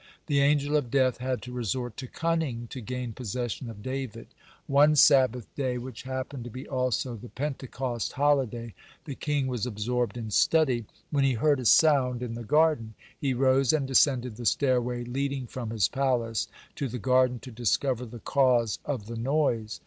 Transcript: The Angel of Death had to resort to cunning to gain possession of David. (125) One Sabbath day, which happened to be also the Pentecost holiday, (126) the king was absorbed in study, when he heard a sound in the garden. He rose and descended the stairway leading from his palace to the garden, to discover the cause of the noise.